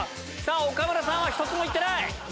岡村さんは１つも行ってない！